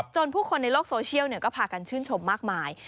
ผู้คนในโลกโซเชียลก็พากันชื่นชมมากมาย